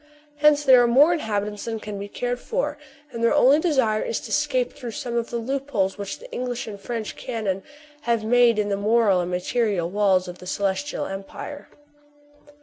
Hence there are more inhabitants than can be cared for ; and their only desire is to escape through some of the loopholes which the English and French cannon have made in the moral and material walls of the Celestial Empire.